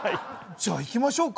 じゃあ行きましょうか。